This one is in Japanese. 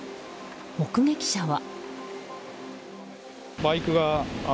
目撃者は。